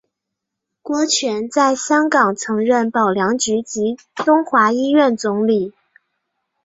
郭泉在香港曾任保良局及东华医院总理。